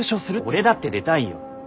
俺だって出たいよ。